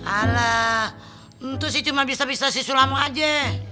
alah itu sih cuma bisa bisa si sulamu aja